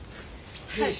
よし。